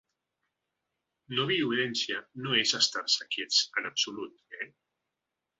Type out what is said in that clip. No–violència no és estar-se quiets, en absolut, eh.